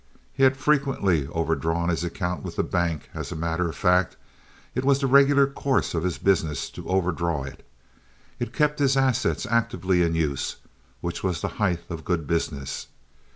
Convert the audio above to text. He had frequently overdrawn his account with the bank; as a matter of fact, it was the regular course of his business to overdraw it. It kept his assets actively in use, which was the height of good business.